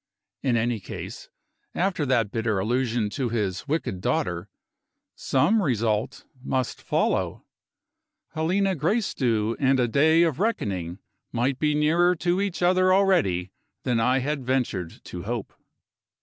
In any case, after that bitter allusion to his "wicked daughter" some result must follow. Helena Gracedieu and a day of reckoning might be nearer to each other already than I had ventured to hope.